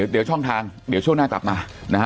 เดี๋ยวช่องทางเดี๋ยวช่วงหน้ากลับมานะฮะ